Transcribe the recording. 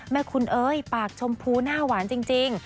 แม่คุณเอ้ยปากชมพูหน้าหวานจริง